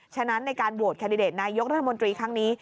ฉะนั้นในการโหวตแคนดิเดตนายกรัฐมนตรีครั้งนี้